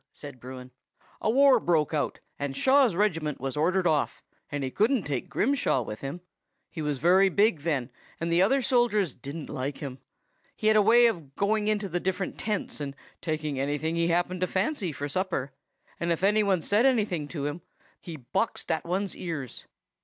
said Bruin. "A war broke out, and Shaw's regiment was ordered off, and he couldn't take Grimshaw with him. He was very big then, and the other soldiers didn't like him. He had a way of going into the different tents and taking anything he happened to fancy for supper; and if any one said anything to him, he boxed that one's ears.